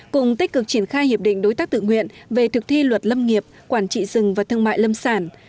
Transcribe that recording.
cùng tích cực triển khai hiệp định đối tác tự nguyện về thực thi luật lâm nghiệp quản trị rừng và thương mại lâm sản